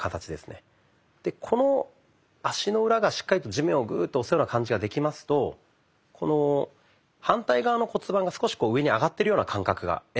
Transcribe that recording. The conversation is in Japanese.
この足の裏がしっかりと地面をグーッと押すような感じができますと反対側の骨盤が少し上に上がってるような感覚が得られると思います。